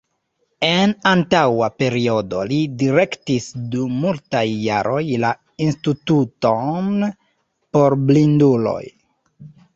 En antaŭa periodo li direktis dum multaj jaroj la Instituton por Blinduloj.